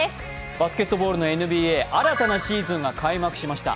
バスケットボールのＮＢＡ、新たなシーズンが開幕しました。